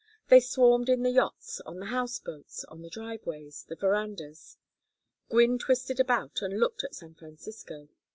They swarmed in the yachts, on the house boats, on the driveways, the verandas. Gwynne twisted about and looked at San Francisco.